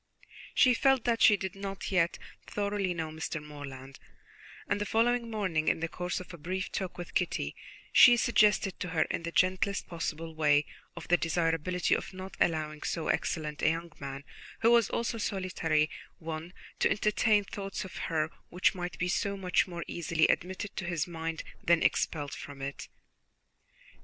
She felt that she did not yet thoroughly know Mr. Morland; and the following morning, in the course of a brief talk with Kitty, she suggested to her in the gentlest possible way of the desirability of not allowing so excellent a young man, who was also a solitary one, to entertain thoughts of her which might be so much more easily admitted to his mind than expelled from it.